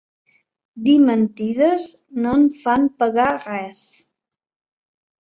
Dir mentides, no en fan pagar res.